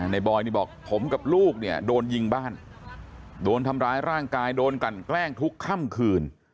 บอยนี่บอกผมกับลูกเนี่ยโดนยิงบ้านโดนทำร้ายร่างกายโดนกลั่นแกล้งทุกค่ำคืน